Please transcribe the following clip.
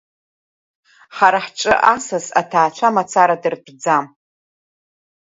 Ҳара ҳҿы асас аҭаацәа мацара дыртәӡам.